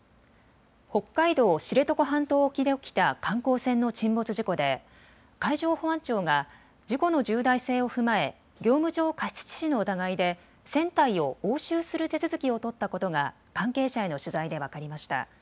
北海道知床半島沖で起きた観光船の沈没事故で海上保安庁が事故の重大性を踏まえ業務上過失致死の疑いで船体を押収する手続きを取ったことが関係者への取材で分かりました。